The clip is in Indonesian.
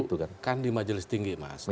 itu kan di majelis tinggi mas